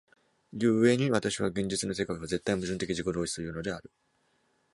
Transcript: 故に私は現実の世界は絶対矛盾的自己同一というのである。